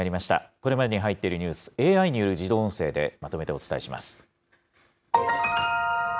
これまでに入っているニュース、ＡＩによる自動音声でまとめてお伝えします。